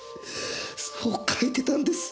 そう書いてたんです。